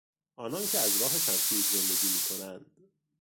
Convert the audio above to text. آنانکه از راه شمشیر زندگی میکنند